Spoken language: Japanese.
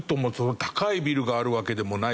高いビルがあるわけでもないし。